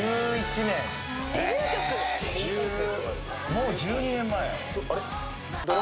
もう１２年前。